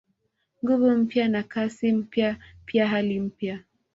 Nguvu mpya na Kasi mpya pia hali mpya